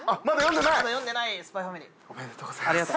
まだ読んでない？